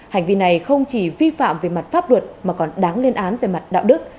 hành vi này không chỉ vi phạm về mặt pháp luật mà còn đáng lên án về mặt đạo đức